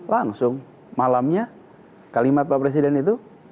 langsung malamnya kalimat pak presiden itu